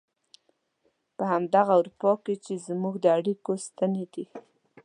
په همدغه اروپا کې چې زموږ د اړيکو ستنې دي.